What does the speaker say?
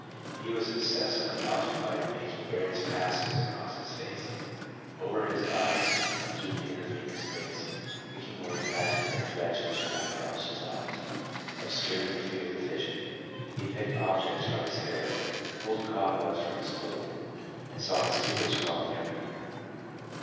He was incessantly occupied in making various passes across his face, over his eyes and through the intervening space, INSANITY. 275 picking away imaginary threads which got across his eyes, obscuring his field of vision. He picked objects from his hair, pulled cobwebs from his clothing, and saw mosquitoes crawling everywhere.